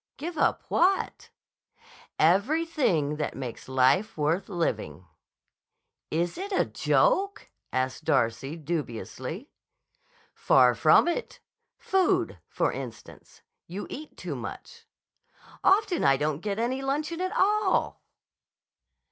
"Give up what?" "Everything that makes life worth living." "Is it a joke?" asked Darcy, dubiously. "Far from it. Food, for instance. You eat too much." "Often I don't get any luncheon at all."